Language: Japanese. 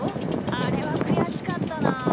あれはくやしかったなあ。